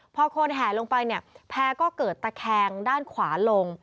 พอคนแห่ลงไปเนี่ยแพร่ก็เกิดตะแคงด้านขวาลง